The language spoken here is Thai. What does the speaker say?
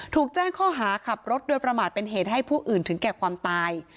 ถูกแจ้งข้อหาขับรถโดยประมาทเป็นเหตุให้ผู้อื่นถึงแก่ความตาย